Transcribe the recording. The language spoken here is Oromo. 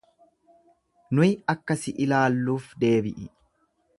Nuyi akka si ilaalluuf deebi'i.